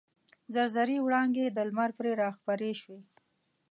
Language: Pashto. زر زري وړانګې د لمر پرې راخپرې شوې.